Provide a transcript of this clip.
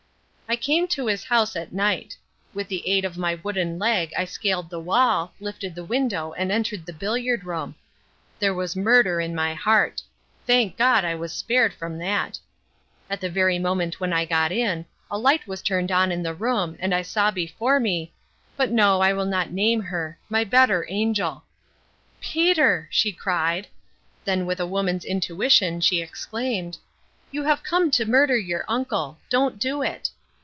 "I came to his house at night. With the aid of my wooden leg I scaled the wall, lifted the window and entered the billiard room. There was murder in my heart. Thank God I was spared from that. At the very moment when I got in, a light was turned on in the room and I saw before me but no, I will not name her my better angel. 'Peter!' she cried, then with a woman's intuition she exclaimed, 'You have come to murder your uncle. Don't do it.'